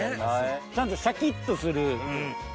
ちゃんとシャキっとする。